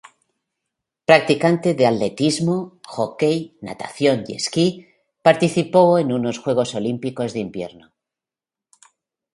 Practicante de atletismo, hockey, natación y esquí, participó en unos Juegos Olímpicos de Invierno.